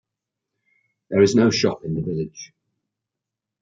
There is no shop in the village.